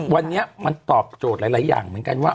วันนี้มันตอบโจทย์หลายอย่างเหมือนกันว่า